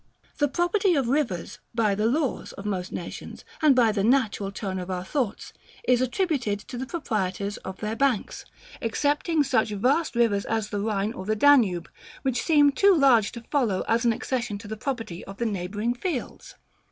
The property of rivers, by the laws of most nations, and by the natural turn of our thoughts, is attributed to the proprietors of their banks, excepting such vast rivers as the Rhine or the Danube, which seem too large to follow as an accession to the property of the neighbouring fields.